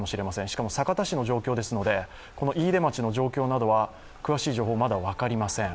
しかも酒田市の状況ですので、飯豊町の情報などは詳しくは分かりません。